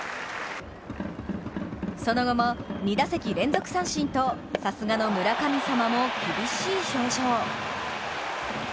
その後も２打席連続三振とさすがの村神様も、厳しい表情。